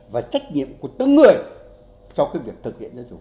và trách nhiệm của tất cả người cho cái việc thực hiện dân chủ